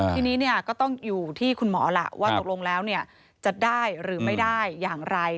ทีนี้ก็ต้องอยู่ที่คุณหมอล่ะว่าตกลงแล้วจะได้หรือไม่ได้อย่างไร